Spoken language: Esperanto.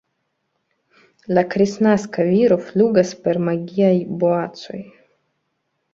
La kristnaska viro flugas per magiaj boacoj.